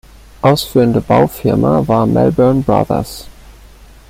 Ausführende Baufirma war Melbourne Brothers.